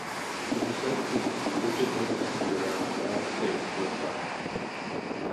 In his late teens he drifted aimlessly around the United States for a time.